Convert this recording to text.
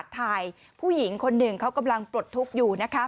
ผู้หญิงคนหนึ่งเขากำลังปลดทุกข์อยู่นะคะ